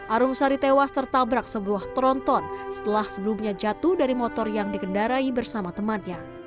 arungsari tewas tertabrak sebuah tronton setelah sebelumnya jatuh dari motor yang digendarai bersama temannya